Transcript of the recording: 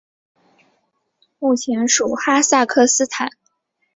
目前属哈萨克斯坦和乌兹别克斯坦所辖。